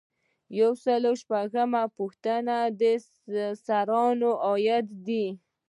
یو سل او شپږ نوي یمه پوښتنه سرانه عاید دی.